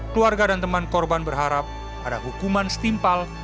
keluarga dan teman korban berharap ada hukuman setimpal